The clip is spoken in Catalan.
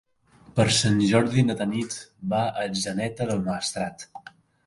Per Sant Jordi na Tanit va a Atzeneta del Maestrat.